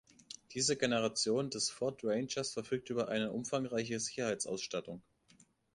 Diese Generation des Ford Rangers verfügt über eine umfangreiche Sicherheitsausstattung.